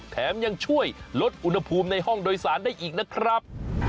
แถมยังช่วยลดอุณหภูมิในห้องโดยสารได้อีกนะครับ